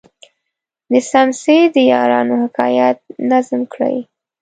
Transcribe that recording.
د څمڅې د یارانو حکایت نظم کړی.